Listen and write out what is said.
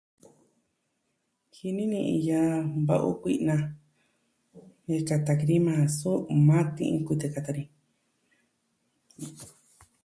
Jini ni iin yaa va'u kui'na jen tyata ki ni maa so ma ti'in kute kata ni.